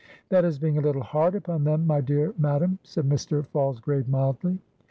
"That is being a little hard upon them, my dear Madam," said Mr. Falsgrave, mildly.